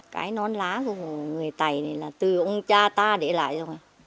cái nón lá của người tài này là từ ông cha ta để lại rồi